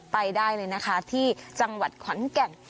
ไปได้เลยนะคะที่จังหวัดขอนแก่น